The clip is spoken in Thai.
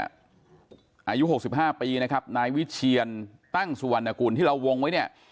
อายุ๖๕ปีนะครับนายวิเชียนตั้งสุวรรณกุลที่เราวงไว้เนี่ย